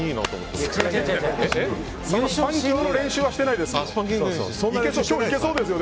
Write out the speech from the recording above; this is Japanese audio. そんな練習はしてないですよ。